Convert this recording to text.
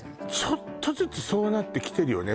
ちょっとずつそうなってきてるよね